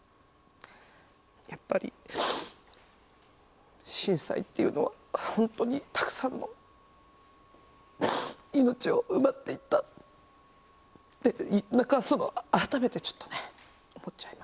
やっぱり震災っていうのは本当にたくさんの命を奪っていったって何か改めてちょっとね思っちゃいまして。